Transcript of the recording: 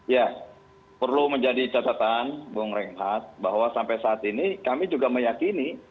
ya perlu menjadi catatan bung renhat bahwa sampai saat ini kami juga meyakini